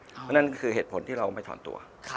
เพราะฉะนั้นคือเหตุผลที่เราไม่ถอนตัว